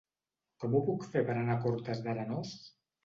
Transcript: Com ho puc fer per anar a Cortes d'Arenós?